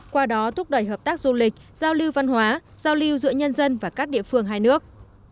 qua đó thúc đẩy hợp tác du lịch giao lưu văn hóa giao lưu giữa nhân dân và các địa phương hai nước